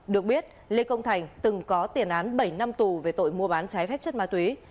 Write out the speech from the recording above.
được biết lê công thành từng có tiền án bảy năm tù về tội mua bán trái phép chất ma túy